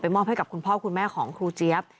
มอบให้กับคุณพ่อคุณแม่ของครูเจี๊ยบ